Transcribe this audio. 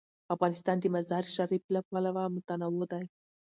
افغانستان د مزارشریف له پلوه متنوع دی.